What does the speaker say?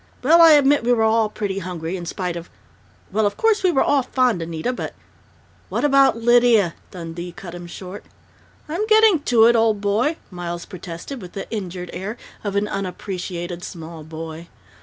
"Well, I admit we were all pretty hungry, in spite of well, of course we were all fond of Nita, but " "What about Lydia?" Dundee cut him short. "I'm getting to it, old boy," Miles protested, with the injured air of an unappreciated small boy.